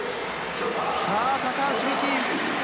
さあ、高橋美紀。